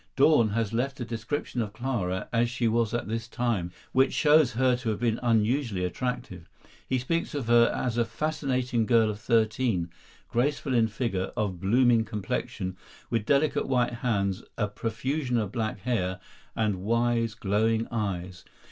Dorn has left a description of Clara as she was at this time, which shows her to have been unusually attractive. He speaks of her as a fascinating girl of thirteen, "graceful in figure, of blooming complexion, with delicate white hands, a profusion of black hair, and wise, glowing eyes.